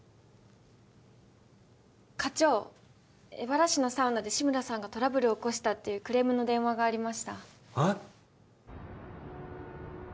課長荏原市のサウナで志村さんがトラブルを起こしたっていうクレームの電話がありましたああ？